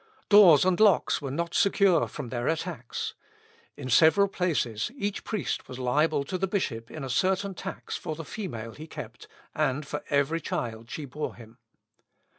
Doors and locks were not secure from their attacks. In several places, each priest was liable to the bishop in a certain tax for the female he kept, and for every child she bore him.